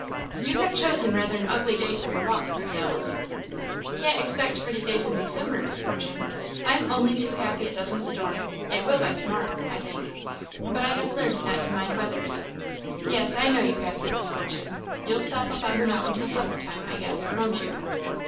"You have chosen rather an ugly day for your walk, Miss Alice." "Can't expect pretty days in December, Miss Fortune. I am only too happy it doesn't storm; it will by to morrow, I think. But I have learned not to mind weathers." "Yes, I know you have," said Miss Fortune. "You'll stop up on the mountain till supper time, I guess won't you?"